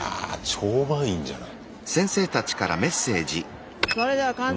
超満員じゃない。